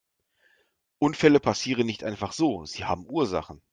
Unfälle passieren nicht einfach so, sie haben Ursachen.